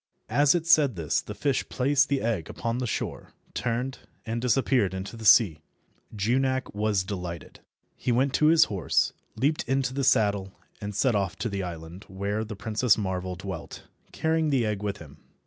As it said this the fish placed the egg upon the shore, turned, and disappeared in the sea. Junak was delighted. He went to his horse, leaped into the saddle, and set off to the island where the Princess Marvel dwelt, carrying the egg with him.